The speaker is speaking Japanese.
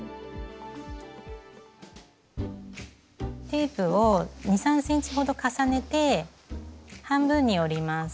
テープを２３ｃｍほど重ねて半分に折ります。